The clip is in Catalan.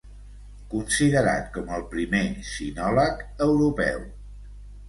Considerat com el primer sinòleg europeu.